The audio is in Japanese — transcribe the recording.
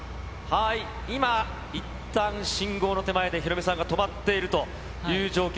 今、いったん信号の手前でヒロミさんが止まっているという状況。